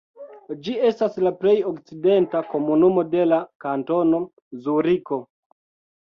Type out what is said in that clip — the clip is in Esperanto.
Ĝi estas la plej okcidenta komunumo de la Kantono Zuriko.